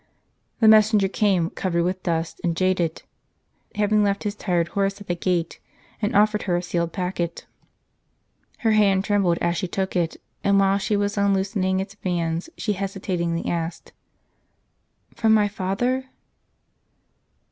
The messenger came in, covered with dust and jaded, having left his tired horse at the gate; and ofiered her a sealed packet. Her hand trembled as she took it; and while she was unloosening its bands, she hesitatingly asked :" From my father